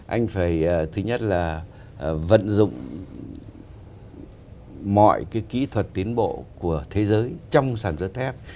anh phải thứ nhất là vận dụng mọi cái kỹ thuật tiến bộ của thế giới trong sản xuất thép